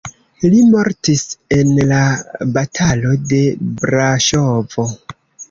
Li mortis en la batalo de Braŝovo.